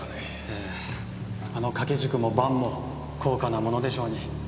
ええあの掛け軸も盤も高価な物でしょうに。